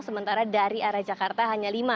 sementara dari arah jakarta hanya lima